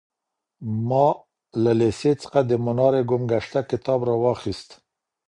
ما له لېسې څخه د مناره ګم ګشته کتاب راواخيست.